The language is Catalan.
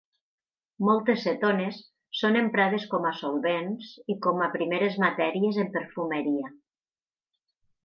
Moltes cetones són emprades com a solvents i com a primeres matèries en perfumeria.